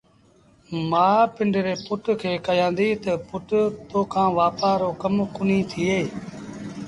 مآ پنڊري پُٽ کي ڪهيآݩديٚ تا پُٽ تو کآݩ وآپآر رو ڪم ڪونهيٚ ٿئي